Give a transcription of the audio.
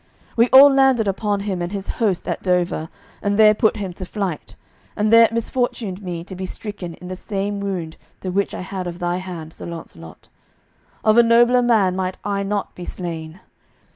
We all landed upon him and his host at Dover, and there put him to flight, and there it misfortuned me to be stricken in the same wound the which I had of thy hand, Sir Launcelot. Of a nobler man might I not be slain.